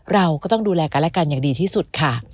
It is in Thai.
เราก็ต้องดูแลกันและกันอย่างดีที่สุดค่ะ